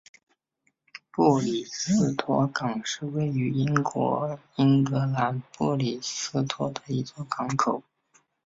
布里斯托港是位于英国英格兰布里斯托的一座港口。